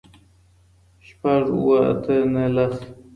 شپږ اووه آته نهه لس